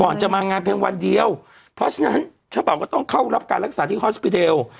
จะมางานเพียงวันเดียวเพราะฉะนั้นเจ้าบ่าวก็ต้องเข้ารับการรักษาที่ฮอสปีเทล